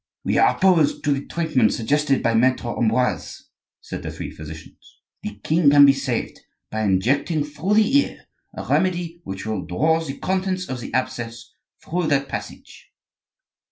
"We are opposed to the treatment suggested by Maitre Ambroise," said the three physicians. "The king can be saved by injecting through the ear a remedy which will draw the contents of the abscess through that passage."